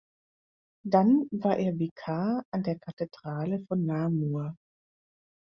Dann war er Vikar an der Kathedrale von Namur.